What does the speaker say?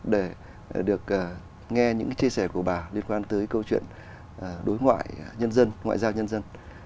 để được nghe những chia sẻ của bà liên quan tới câu chuyện đối ngoại nhân dân ngoại giao nhân dân